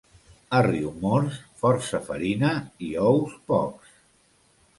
A Riumors, força farina i ous pocs.